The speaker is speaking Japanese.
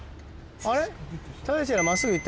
あれ？